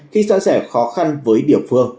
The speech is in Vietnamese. khi so sẻ khó khăn với địa phương